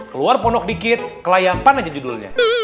keluar pondok dikit ke layak panah aja judulnya